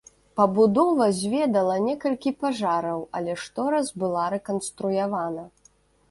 Пабудова зведала некалькі пажараў, але штораз была рэканструявана.